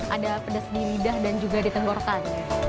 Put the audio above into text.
ada pedas di lidah dan juga di tenggorkan